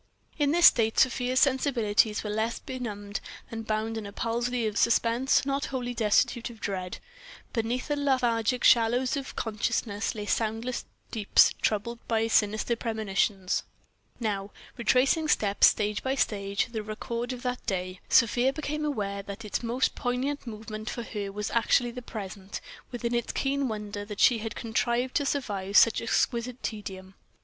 In this state Sofia's sensibilities were less benumbed than bound in a palsy of suspense not wholly destitute of dread; beneath the lethargic shallows of consciousness lay soundless deeps troubled by sinister premonitions.... Now, retracing stage by stage the record of the day, Sofia became aware that its most poignant moment for her was actually the present, with its keen wonder that she had contrived to survive such exquisite tedium.